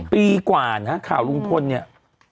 ปีกว่านะข่าวลุงพลเนี่ย